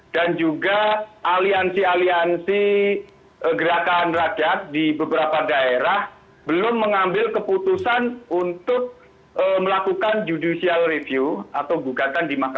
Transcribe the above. dan juga aliansi aliansi gerakan rakyat di beberapa daerah belum mengambil keputusan untuk melakukan judicial review atau gugatan di mk